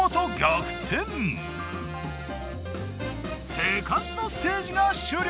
セカンドステージが終了。